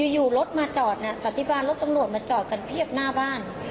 อยู่รถมาจอดสันติบาลรถตำรวจมาจอดกันเพียบหน้าบ้าน